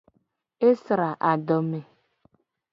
Esra adome.